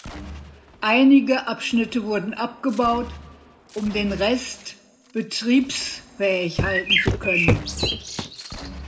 Einige Abschnitte wurden abgebaut, um den Rest betriebsfähig halten zu können.